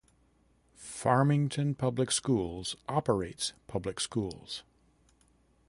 Farmington Public Schools operates public schools.